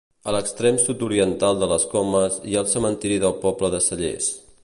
A l'extrem sud-oriental de les Comes hi ha el cementiri del poble de Cellers.